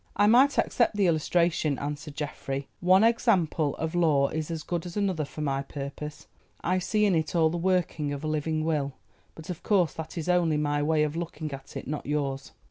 "I might accept the illustration," answered Geoffrey; "one example of law is as good as another for my purpose. I see in it all the working of a living Will, but of course that is only my way of looking at it, not yours."